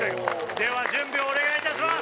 では準備をお願い致します！